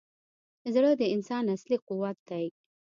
زړه د انسان اصلي قوت دی.